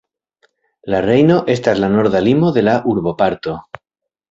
La Rejno estas la norda limo de la urboparto.